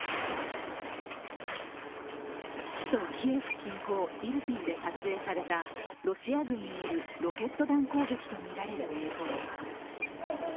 首都キエフ近郊イルピンで撮影されたロシア軍によるロケット弾攻撃とみられる映像。